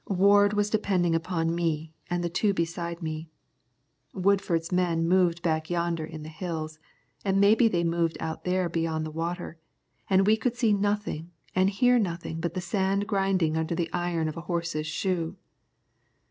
Ward was depending upon me and the two beside me. Woodford's men moved back yonder in the Hills, and maybe they moved out there beyond the water, and we could see nothing and hear nothing but the sand grinding under the iron of a horse's shoe.